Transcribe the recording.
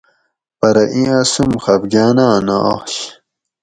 پرہ ایں اسوم خفگاۤناۤں نہ آش